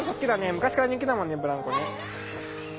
昔から人気だもんねブランコね。